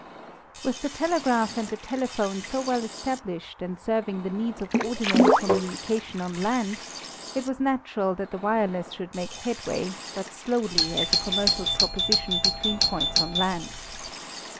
With the telegraph and the telephone so well established and serving the needs of ordinary communication on land, it was natural that the wireless should make headway but slowly as a commercial proposition between points on land.